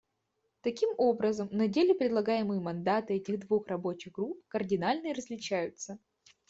Таким образом, на деле предлагаемые мандаты этих двух рабочих групп кардинально различаются.